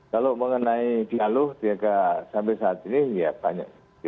kalau mengenai dialog sampai saat ini ya banyak